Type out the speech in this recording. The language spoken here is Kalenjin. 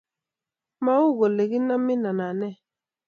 mau kole kinamin anan nee